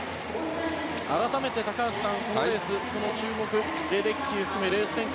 改めて高橋さんこのレース、注目レデッキー含めレース展開